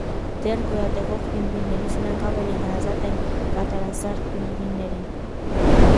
Դեռ գոյատևող պինգվիններից նրանք ավելի հարազատ են կատարազարդ պինգվիններին։